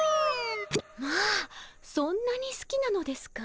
まあそんなにすきなのですか。